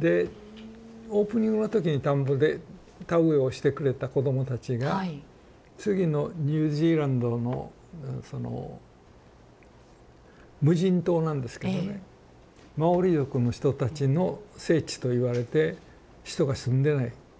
でオープニングの時に田んぼで田植えをしてくれた子どもたちが次のニュージーランドのその無人島なんですけどねマオリ族の人たちの聖地といわれて人が住んでない小さな島。